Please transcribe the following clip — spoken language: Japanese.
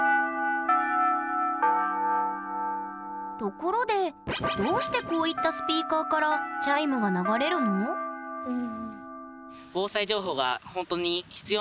ところでどうしてこういったスピーカーからチャイムが流れるの？へえ。